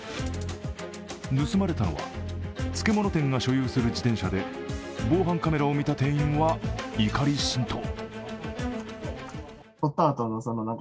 盗まれたのは、漬物店が所有する自転車で防犯カメラを見た店員は怒り心頭。